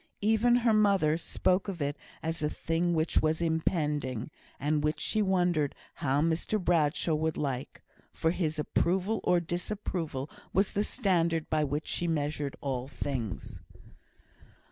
Even her mother spoke of it as a thing which was impending, and which she wondered how Mr Bradshaw would like; for his approval or disapproval was the standard by which she measured all things.